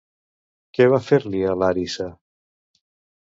Què va fer-li a Làrissa?